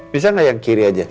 bisa nggak yang kiri aja